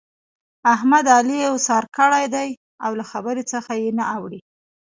احمد؛ علي اوسار کړی دی او له خبرې څخه يې نه اوړي.